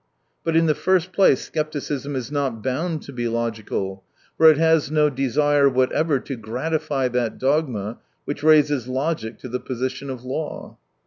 But, in the first place, scepticism is not bound to be logical, for it has no desire whatever to gratify that dogma which raises logic to the position of law.